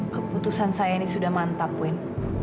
keputusan saya ini sudah mantap win